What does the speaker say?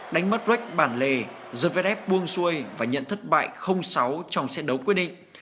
đánh mất rách bản lề zverev buông xuôi và nhận thất bại sáu trong xét đấu quyết định